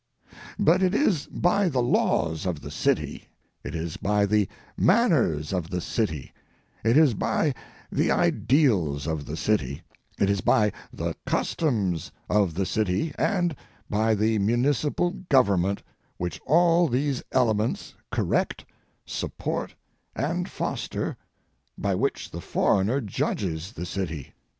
But it is by the laws of the city, it is by the manners of the city, it is by the ideals of the city, it is by the customs of the city and by the municipal government which all these elements correct, support, and foster, by which the foreigner judges the city.